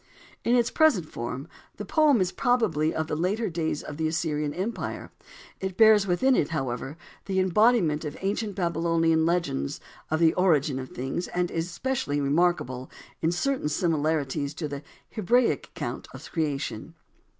In its present form, the poem is probably of the later days of the Assyrian empire. It bears within it, however, the embodiment of ancient Babylonian legends of the origin of things, and is specially remarkable in certain similarities to the Hebraic account of creation.